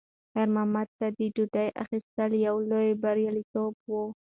خیر محمد ته د ډوډۍ اخیستل یو لوی بریالیتوب و.